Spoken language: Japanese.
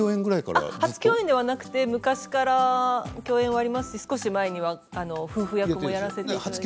初共演ではなくて昔から共演もありますし少し前には夫婦役もやらせていただいて。